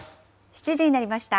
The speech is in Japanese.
７時になりました。